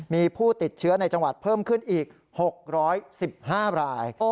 มีผู้ติดเชื้อในจังหวัดเพิ่มขึ้นอีก๖๑๕ราย